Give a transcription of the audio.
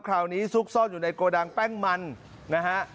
ซุกซ่อนอยู่ในโกดังแป้งมันนะฮะ